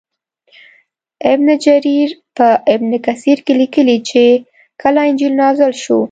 ابن جریر په ابن کثیر کې لیکلي چې کله انجیل نازل شو.